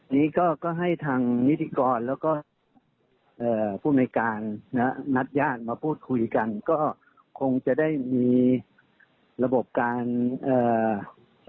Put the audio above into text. นี้ก็ให้ทางนิติกรและผู้อำนาจงานนัดญาติมาพูดคุยกันก็คงจะได้มีระบบการสอบความเข้าใจกัน